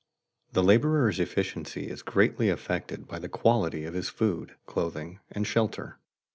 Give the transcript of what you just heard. _The laborer's efficiency is greatly affected by the quality of his food, clothing, and shelter.